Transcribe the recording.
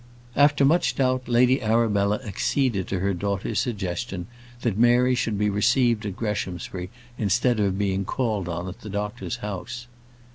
After much doubt, Lady Arabella acceded to her daughter's suggestion, that Mary should be received at Greshamsbury instead of being called on at the doctor's house.